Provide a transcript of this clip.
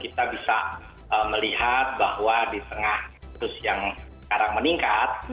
kita bisa melihat bahwa di tengah kasus yang sekarang meningkat